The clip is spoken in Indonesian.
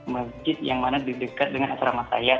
masjid yang mana di dekat dengan asrama saya